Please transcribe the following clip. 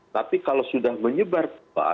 tapi kalau sudah menyebar